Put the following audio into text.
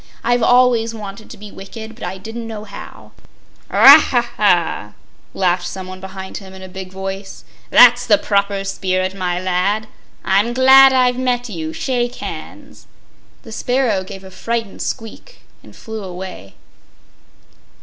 I've always wanted to be wicked, but I didn't know how." "Haw, haw, haw!" laughed someone behind him, in a big voice; "that's the proper spirit, my lad! I'm glad I've met you; shake hands." The sparrow gave a frightened squeak and flew away.